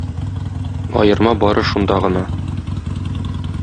Аерма бары шунда гына.